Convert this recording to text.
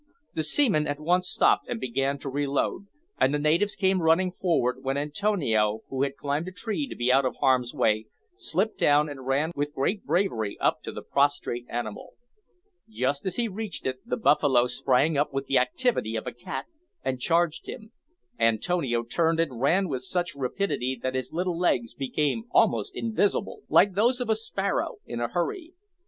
The seaman at once stopped and began to reload, and the natives came running forward, when Antonio, who had climbed a tree to be out of harm's way, slipped down and ran with great bravery up to the prostrate animal. Just as he reached it the buffalo sprang up with the activity of a cat, and charged him. Antonio turned and ran with such rapidity that his little legs became almost invisible, like those of a sparrow in a hurry.